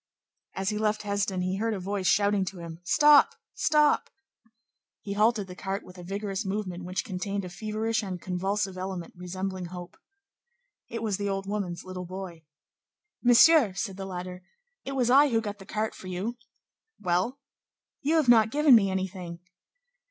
As he left Hesdin, he heard a voice shouting to him: "Stop! Stop!" He halted the cart with a vigorous movement which contained a feverish and convulsive element resembling hope. It was the old woman's little boy. "Monsieur," said the latter, "it was I who got the cart for you." "Well?" "You have not given me anything."